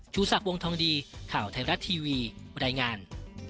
ชูศักดิ์วงทองดีข่าวไทยรัฐทีวีบรรยายงาน